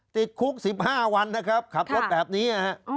ติดคุกสิบห้าวันนะครับขับรถแบบนี้อ๋อ